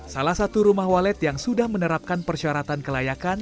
salah satu rumah walet yang sudah menerapkan persyaratan kelayakan